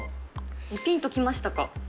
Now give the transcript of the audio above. ぴんときましたか？